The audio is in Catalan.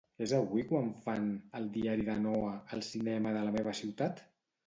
És avui quan fan "El diari de Noa" al cinema de la meva ciutat?